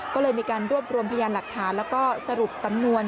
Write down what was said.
ก็เลยมีการรวบรวมพยานหลักฐานแล้วก็สรุปสำนวน